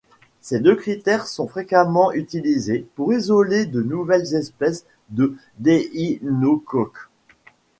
Ces deux critères sont fréquemment utilisés pour isoler de nouvelles espèces de Déinocoques.